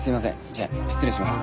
じゃあ失礼します。